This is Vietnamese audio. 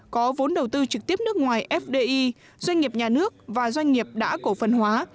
có vốn đầu tư trực tiếp nước ngoài fdi doanh nghiệp nhà nước và doanh nghiệp đã cổ phần hóa